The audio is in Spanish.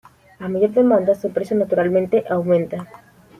A mayor demanda, su precio naturalmente aumenta.